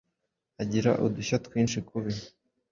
Agira Udushya twinshi kubi